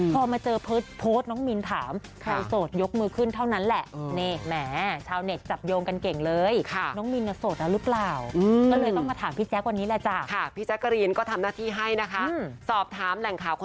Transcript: พอมาเจอโพสต์น้องมิลถาม